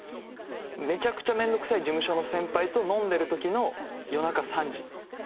めちゃくちゃ面倒くさい事務所の先輩と飲んでる時の夜中３時。